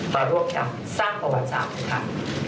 มาร่วมกันสร้างประวัติสรรพ์